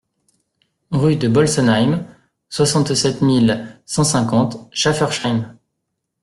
Rue de Bolsenheim, soixante-sept mille cent cinquante Schaeffersheim